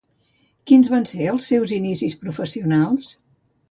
Quins van ser els seus inicis professionals?